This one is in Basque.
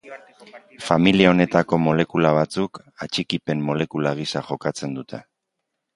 Familia honetako molekula batzuk atxikipen molekula gisa jokatzen dute.